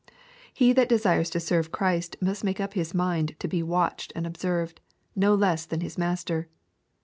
He that desires to serve Christ must make up his mind to be " watched" and observed, no less than His Master.